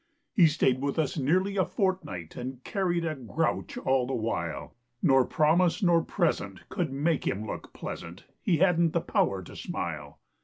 He stayed with us nearly a fortnight And carried a grouch all the while, Nor promise nor present could make him look pleasant; He hadn't the power to smile.